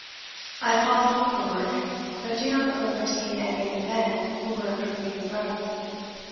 I saw some of the work, but do not remember seeing any of the men who were improving the road.